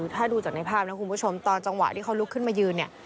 ถ้าดูจากในภาพนะคุณผู้ชมตอนจังหวะที่เขาลุกขึ้นมายืนเนี่ย